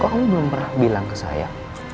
kok kamu belum pernah bilang ke saya